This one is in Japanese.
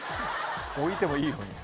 置いてもいいのに。